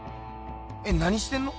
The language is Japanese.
え何してんの？